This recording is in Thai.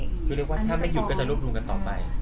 คือเรียกว่าถ้าไม่หยุดก็จะรวบรวมกันต่อไป